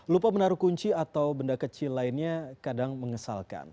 lupa menaruh kunci atau benda kecil lainnya kadang mengesalkan